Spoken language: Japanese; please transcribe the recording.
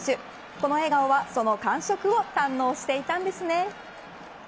この笑顔はその感触を堪能していたんですね。